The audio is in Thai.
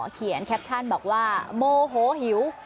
เขียนแคปชั่นบอกว่าโมโหหิว